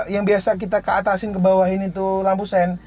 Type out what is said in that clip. yang biasa kita keatasin kebawahin itu lampu sen